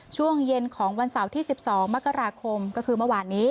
ช่วงเย็นของวันเสาร์ที่๑๒มกราคมก็คือเมื่อวานนี้